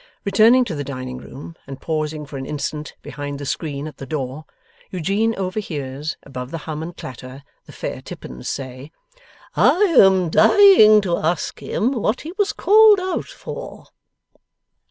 Returning to the dining room, and pausing for an instant behind the screen at the door, Eugene overhears, above the hum and clatter, the fair Tippins saying: 'I am dying to ask him what he was called out for!